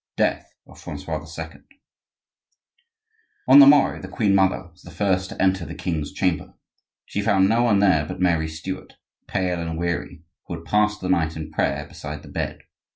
XII. DEATH OF FRANCOIS II On the morrow the queen mother was the first to enter the king's chamber. She found no one there but Mary Stuart, pale and weary, who had passed the night in prayer beside the bed.